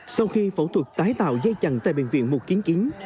sau khi phẫu thuật tái tạo dây chằn tại bệnh viện mục kiến kiến